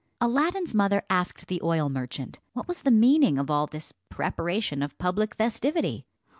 Aladdin's mother asked the oil merchant what was the meaning of all this preparation of public festivity.